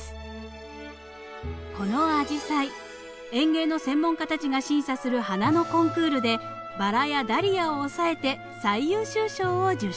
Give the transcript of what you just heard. このアジサイ園芸の専門家たちが審査する花のコンクールでバラやダリアを押さえて最優秀賞を受賞。